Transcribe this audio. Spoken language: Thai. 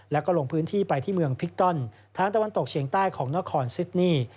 แล้วก็ลงพื้นที่ไปที่เมืองพิกตอนทางตะวันตกเฉียงใต้ของนครซิดนี่